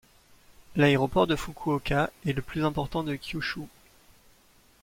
L'aéroport de Fukuoka est le plus important de Kyūshū.